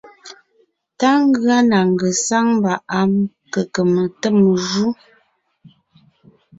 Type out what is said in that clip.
Tá ngʉa na ngesáŋ mba am kqm tem jú.